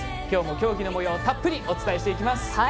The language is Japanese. きょうも競技のもようたっぷりとお伝えしていきます。